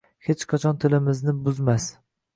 Hech qachon tilimizni buzmas.